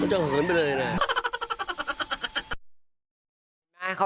จะเหินไปเลยนะ